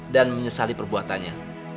dan menyesali perbuatannya